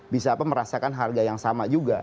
bisa merasakan harga yang sama juga